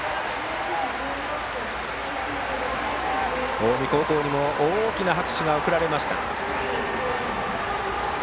近江高校にも大きな拍手が送られました。